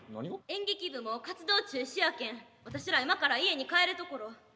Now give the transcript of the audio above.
演劇部もう活動中止やけん私ら今から家に帰るところ。